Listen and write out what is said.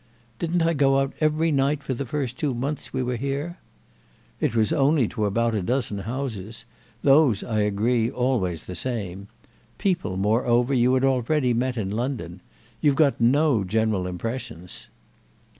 "Didn't I go out every night for the first two months we were here?" "It was only to about a dozen houses—those, I agree, always the same; people, moreover, you had already met in London. You've got no general impressions."